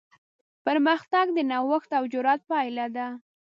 پرمختګ د نوښت او جرات پایله ده.